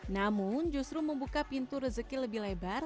namun justru membuka pintu rezeki lebih lebar